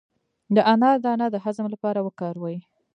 د انار دانه د هضم لپاره وکاروئ